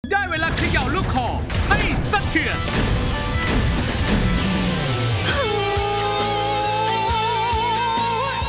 ได้เวลาเขย่าลูกคอให้สัดเฉียด